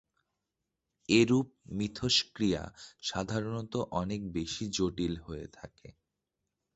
এরূপ মিথস্ক্রিয়া সাধারণত অনেক বেশি জটিল হয়ে থাকে।